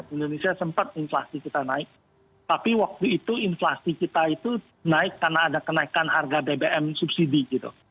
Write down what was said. indonesia sempat inflasi kita naik tapi waktu itu inflasi kita itu naik karena ada kenaikan harga bbm subsidi gitu